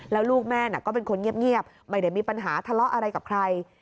แล้วลูกแม่ก็เป็นคนเงียบไม่ได้มีปัญหาทะเลาะอะไรกับใคร